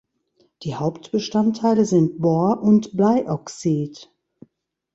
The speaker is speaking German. Die Hauptbestandteile sind Bor und Bleioxid.